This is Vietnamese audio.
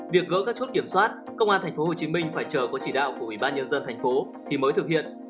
việc gỡ các chốt kiểm soát công an tp hcm phải chờ có chỉ đạo của ủy ban nhân dân thành phố thì mới thực hiện